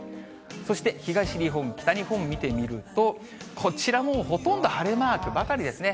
そして、東日本、北日本を見てみると、こちらもほとんど晴れマークばかりですね。